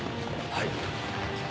はい。